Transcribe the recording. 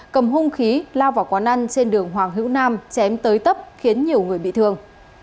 cầm hung khí lao vào quán ăn trên đường hoàng hữu nam chém tới tấp khiến nhiều người bị thương